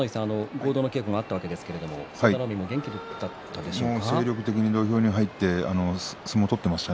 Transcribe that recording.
合同稽古があったわけですが佐田の海も元気があったでしょうか。